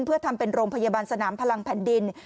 เพื่อทำเป็นโรงพยาบาลสนามพลังแผ่นดิน